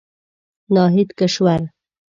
ناهيد کشور